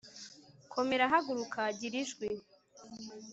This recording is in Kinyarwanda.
komera. haguruka. gira ijwi